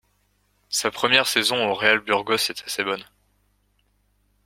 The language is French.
Sa première saison au Real Burgos est assez bonne.